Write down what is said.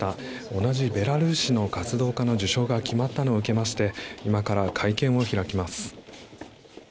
同じベラルーシの活動家の受賞が決まったのを受けまして今から会見を開きます。